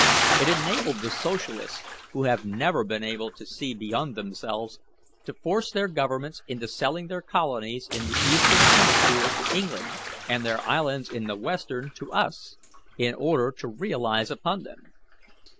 It enabled the socialists who have never been able to see beyond themselves to force their governments into selling their colonies in the Eastern hemisphere to England, and their islands in the Western to us, in order to realize upon them.